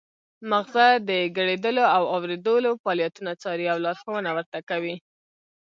مغزه د ګړیدلو او اوریدلو فعالیتونه څاري او لارښوونه ورته کوي